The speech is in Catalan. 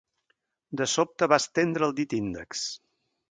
De sobte va estendre el dit índex.